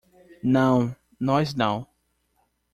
Não, nós não!